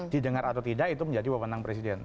didengar atau tidak itu menjadi wawenang presiden